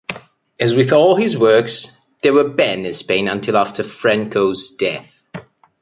As with all his works, they were banned in Spain until after Franco's death.